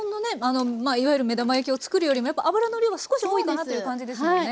あのいわゆる目玉焼きを作るよりもやっぱ油の量は少し多いかなという感じですもんね。